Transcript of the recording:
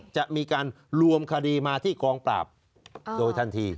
จะมีการรวมคดีมาที่กองปราบโดยทันที